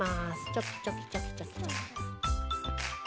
チョキチョキチョキチョキチョキ。